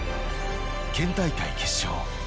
県大会決勝。